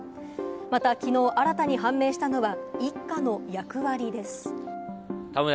また、きのう新たに判明したのは一家の役割です。